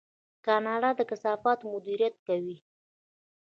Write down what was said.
کاناډا د کثافاتو مدیریت کوي.